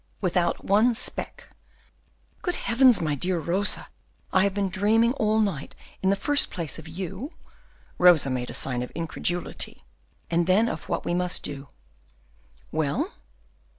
"Without one speck." "Good Heavens! my dear Rosa, I have been dreaming all night, in the first place of you," (Rosa made a sign of incredulity,) "and then of what we must do." "Well?"